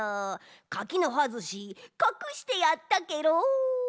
柿の葉ずしかくしてやったケロ。